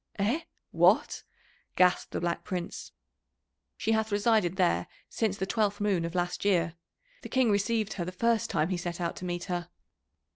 "Eh? What?" gasped the Black Prince. "She hath resided there since the twelfth moon of last year. The King received her the first time he set out to meet her."